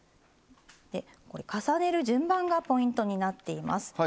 でこれ重ねる順番がポイントになっています。